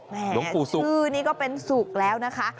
ชื่อนี้ก็เป็นศุกร์แล้วนะคะ